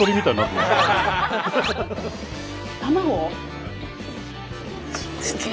卵。